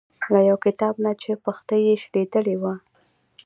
له یو کتاب نه یې چې پښتۍ یې شلیدلې وه.